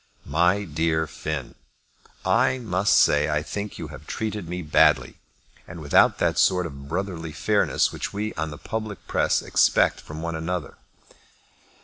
MY DEAR FINN, I must say I think you have treated me badly, and without that sort of brotherly fairness which we on the public press expect from one another.